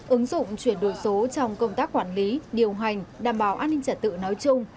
ứng dụng chuyển đổi số trong công tác quản lý điều hành đảm bảo an ninh trả tự nói chung